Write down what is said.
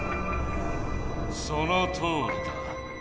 そのとおりだ。